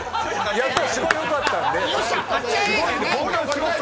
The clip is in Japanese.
やっぱりすごいよかったんで。